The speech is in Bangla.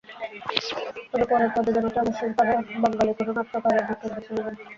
তবে পরের প্রযোজনাটি অবশ্যই তাঁরা বাঙালি কোনো নাট্যকারের নাটক বেছে নেবেন।